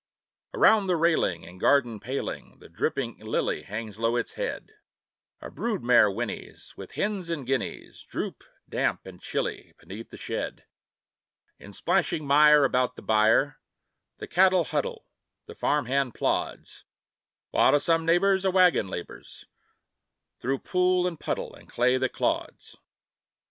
Around the railing and garden paling The dripping lily hangs low its head: A brood mare whinnies; and hens and guineas Droop, damp and chilly, beneath the shed. In splashing mire about the byre The cattle huddle, the farm hand plods; While to some neighbor's a wagon labors Through pool and puddle and clay that clods.